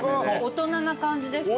大人な感じですね。